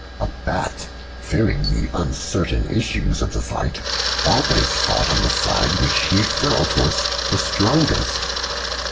A Bat, fearing the uncertain issues of the fight, always fought on the side which he felt was the strongest.